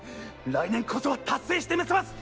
来年こそは達成してみせます！